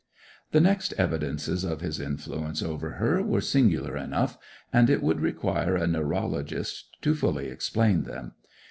The next evidences of his influence over her were singular enough, and it would require a neurologist to fully explain them.